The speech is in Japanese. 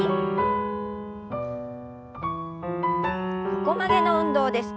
横曲げの運動です。